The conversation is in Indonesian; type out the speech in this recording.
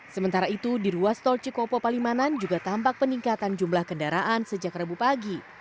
sementara itu di ruas tol cikopo palimanan juga tampak peningkatan jumlah kendaraan sejak rabu pagi